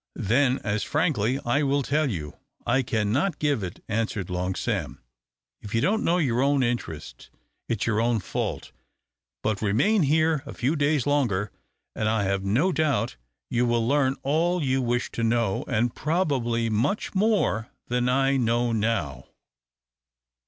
"Then as frankly I will tell you I cannot give it," answered Long Sam. "If you don't know your own interests, it's your own fault; but remain here a few days longer, and I have no doubt you will learn all you wish to know, and probably much more than I know now."